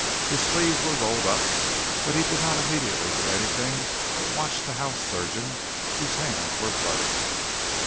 His sleeves were rolled up, but he did not immediately do anything but watch the house surgeon, whose hands were bloody.